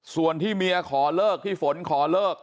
ส่วนที่เมียขอเลิกพี่ฝนขอเลิก